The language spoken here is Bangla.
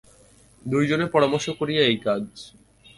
দুইজনে পরামর্শ করিয়া এই কাজ।